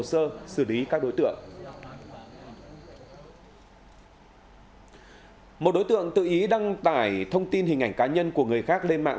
sử lý các đối tượng một đối tượng tự ý đăng tải thông tin hình ảnh cá nhân của người khác lên mạng